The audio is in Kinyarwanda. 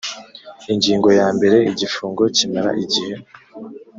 ingingo ya mbere igifungo kimara igihe